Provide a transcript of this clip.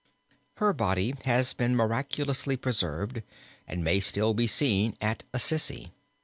Her body has been miraculously preserved and may still be seen at Assisi.